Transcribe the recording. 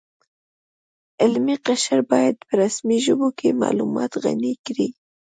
علمي قشر باید په رسمي ژبو کې معلومات غني کړي